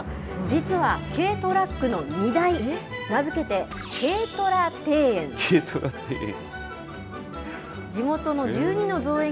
実は、軽トラックの荷台、名付け軽トラ庭園。